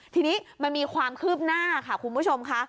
ทีนี้มันมีความคืบหน้าค่ะคุณผู้ชมค่ะ